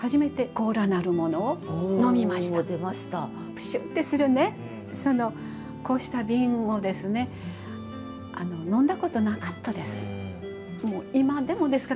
プシュッてするねこうした瓶をですね飲んだことなかったです。